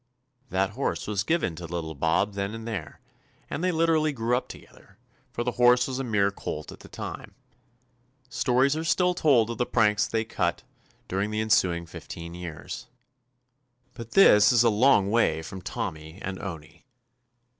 That horse was given to little Bob then and there, and they literally grew up together, for the horse was a mere colt at the time. Stories are still told of the pranks they 227 THE ADVENTURES OF cut during the ensuing fifteen years. But this is a long way from Tommy and Owney.